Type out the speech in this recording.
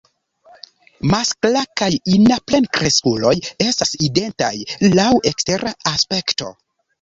Maskla kaj ina plenkreskuloj estas identaj laŭ ekstera aspekto.